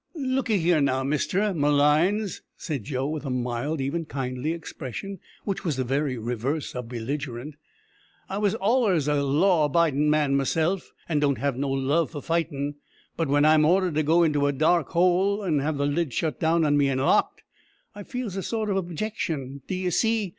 "Lookee here now, Mister Malines," said Joe, with a mild, even kindly, expression, which was the very reverse of belligerent; "I was allers a law abidin' man myself, and don't have no love for fightin'; but when I'm ordered to go into a dark hole, and have the lid shut down on me an' locked, I feels a sort of objection, d'ee see.